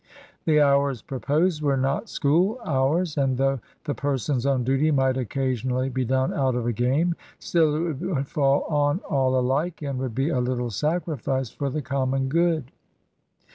The hours proposed were not school hours; and though the persons on duty might occasionally be done out of a game, still it would fall on all alike, and would be a little sacrifice for the common good."